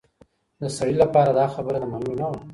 د سړي لپاره دا خبره د منلو نه وه.